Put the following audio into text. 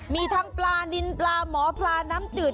มีทั้งปลานินปลาหมอปลาน้ำจืด